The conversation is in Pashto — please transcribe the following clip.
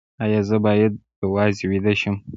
ایا زه باید یوازې ویده شم؟